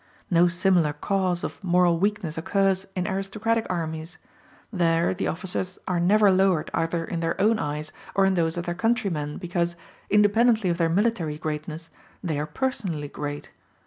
No similar cause of moral weakness occurs in aristocratic armies: there the officers are never lowered either in their own eyes or in those of their countrymen, because, independently of their military greatness, they are personally great.